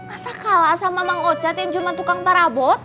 masa kalah sama orang asal yang cuma tukang parabot